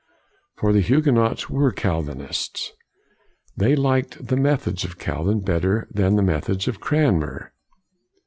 For the Huguenots were Calvinists. They liked the methods of Calvin better than the methods of Cranmer.